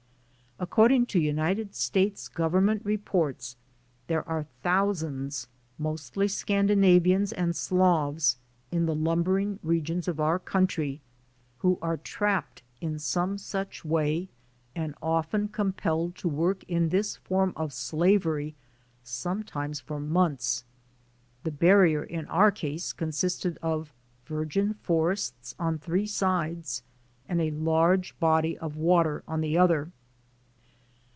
According to United States Government reports, there are thousands, mostly Scandinavians and Slavs, in the lumbering regions of our country, who are trapped in some such way and often com 88 THE SOUL OF AN IMMIGRANT pelled to work in this form of slavery sometimes for months. The barrier in our case consisted of virgin forests on three sides and a large body of water on the other.